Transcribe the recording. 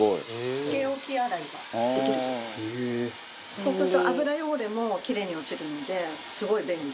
そうすると油汚れもキレイに落ちるのですごい便利。